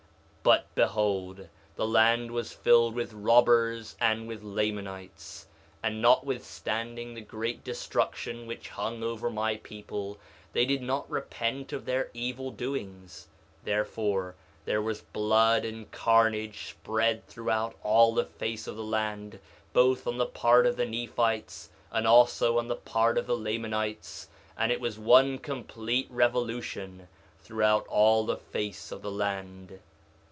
2:8 But behold, the land was filled with robbers and with Lamanites; and notwithstanding the great destruction which hung over my people, they did not repent of their evil doings; therefore there was blood and carnage spread throughout all the face of the land, both on the part of the Nephites and also on the part of the Lamanites; and it was one complete revolution throughout all the face of the land.